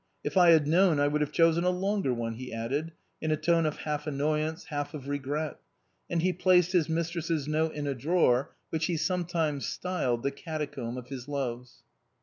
If I had known I would have chosen a longer one," he added, in a tone half of annoyance, half of regret, and he placed his mistress's note in a drawer, which he sometimes styled the catacomb of his loves.